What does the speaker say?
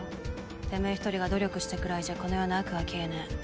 てめぇ一人が努力したくらいじゃこの世の悪は消えねぇ。